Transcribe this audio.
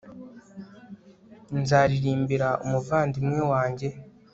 nzaririmbira umuvandimwe wanjye